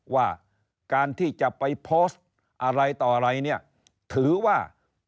ว่าการที่จะไปโพสต์อะไรต่ออะไรเนี่ยถือว่า